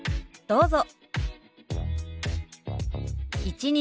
どうぞ。